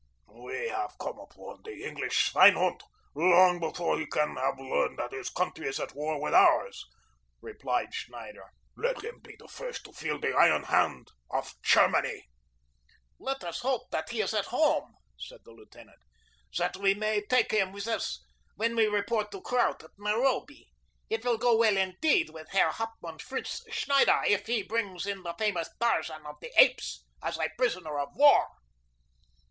"We have come upon the English schweinhund long before he can have learned that his country is at war with ours," replied Schneider. "Let him be the first to feel the iron hand of Germany." "Let us hope that he is at home," said the lieutenant, "that we may take him with us when we report to Kraut at Nairobi. It will go well indeed with Herr Hauptmann Fritz Schneider if he brings in the famous Tarzan of the Apes as a prisoner of war."